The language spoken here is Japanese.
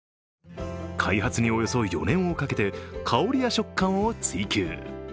開発におよそ４年をかけて、香りや食感を追求。